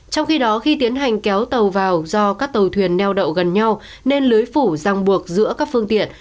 trong khi đó khi tiến hành kéo tàu vào do các tàu thuyền neo đậu gần nhau nên lưới phủ ràng buộc giữa các phương tiện